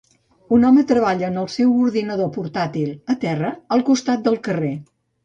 Un home treballa en el seu ordinador portàtil a terra al costat del carrer.